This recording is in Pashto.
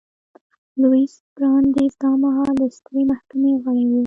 لویس براندیز دا مهال د سترې محکمې غړی و.